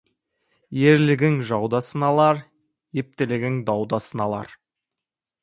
Ерлігің жауда сыналар, ептілігің дауда сыналар.